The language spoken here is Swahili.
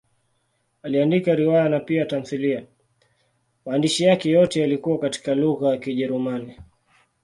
Aliandika riwaya na pia tamthiliya; maandishi yake yote yalikuwa katika lugha ya Kijerumani.